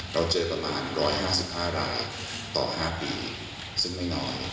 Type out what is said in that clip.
เราเจอประมาณ๑๕๕รายต่อ๕ปีซึ่งไม่น้อย